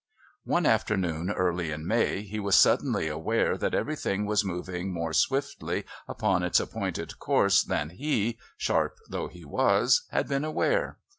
One afternoon early in May he was suddenly aware that everything was moving more swiftly upon its appointed course than he, sharp though he was, had been aware.